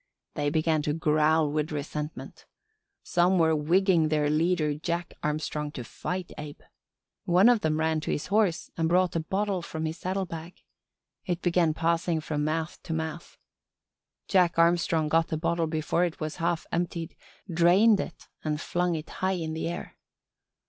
They began to growl with resentment. Some were wigging their leader Jack Armstrong to fight Abe. One of them ran to his horse and brought a bottle from his saddlebag. It began passing from mouth to mouth. Jack Armstrong got the bottle before it was half emptied, drained it and flung it high in the air.